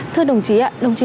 thưa đồng chí ạ